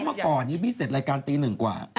เมื่อก่อนนี้พี่เสร็จรายการตีหนึ่งกว่า